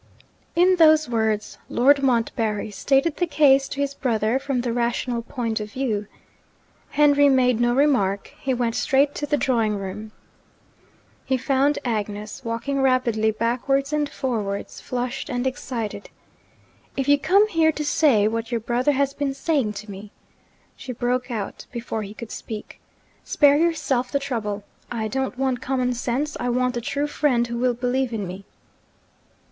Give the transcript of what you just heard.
In those words, Lord Montbarry stated the case to his brother from the rational point of view. Henry made no remark, he went straight to the drawing room. He found Agnes walking rapidly backwards and forwards, flushed and excited. 'If you come here to say what your brother has been saying to me,' she broke out, before he could speak, 'spare yourself the trouble. I don't want common sense I want a true friend who will believe in me.'